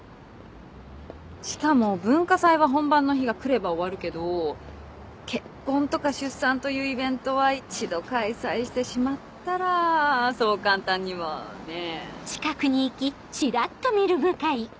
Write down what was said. しかも文化祭は本番の日がくれば終わるけど結婚とか出産というイベントは一度開催してしまったらそう簡単にはねぇ。